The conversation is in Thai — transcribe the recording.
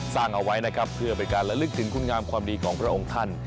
สร้างเอาไว้นะครับเพื่อเป็นการระลึกถึงคุณงามความดีของพระองค์ท่าน